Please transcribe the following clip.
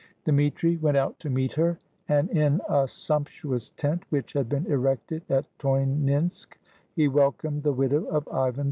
Dmitri went out to meet her, and, in a sumptuous tent which had been erected at Toininsk, he welcomed the widow of Ivan IV.